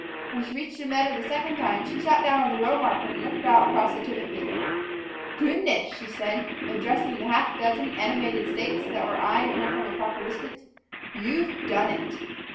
When she reached the meadow the second time, she sat down on the row marker and looked out across the timothy. "Goodness!" she said, addressing the half dozen animated stakes that were eying her from a proper distance, "you've done it!"